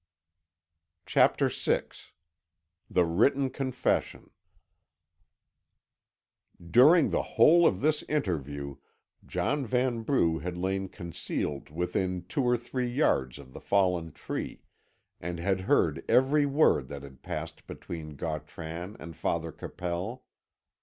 CHAPTER VI THE WRITTEN CONFESSION During the whole of this interview John Vanbrugh had lain concealed within two or three yards of the fallen tree, and had heard every word that had passed between Gautran and Father Capel.